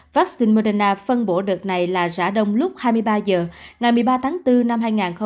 vaccine moderna phân bổ đợt này là giả đông lúc hai mươi ba h ngày một mươi ba tháng bốn năm hai nghìn hai mươi hai